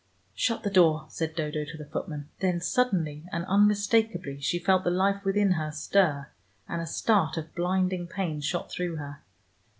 "Shut the door," said Dodo to the footman. Then suddenly and unmistakably she felt the life within her stir, and a start of blinding pain shot through her.